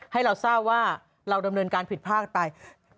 ให้เราทราบว่าเราดำเนินการผิดพลาดไป